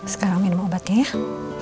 sekarang minum obatnya ya